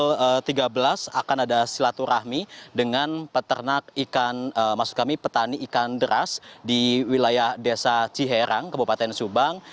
pukul tiga belas akan ada silaturahmi dengan peternak ikan maksud kami petani ikan deras di wilayah desa ciherang kabupaten subang